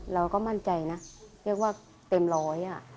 เราก็มั่นใจนะเรียกว่าเต็มร้อยอ่ะ